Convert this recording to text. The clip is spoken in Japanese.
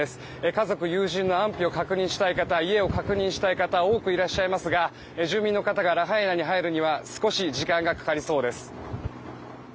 家族、友人の安否を確認したい方家を確認したい方多くいらっしゃいますが住民の方がラハイナに入るには少し時間がかかりそうです。